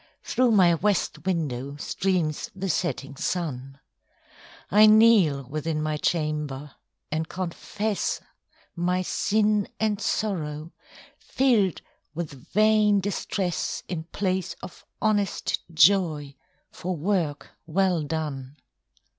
Through my west window streams the setting sun. I kneel within my chamber, and confess My sin and sorrow, filled with vain distress, In place of honest joy for work well done.